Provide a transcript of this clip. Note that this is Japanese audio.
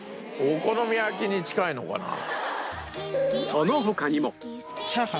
その他にも